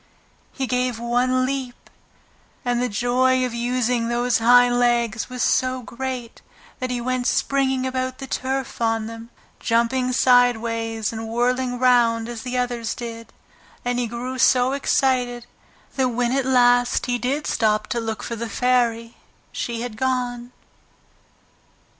He gave one leap and the joy of using those hind legs was so great that he went springing about the turf on them, jumping sideways and whirling round as the others did, and he grew so excited that when at last he did stop to look for the Fairy she had gone.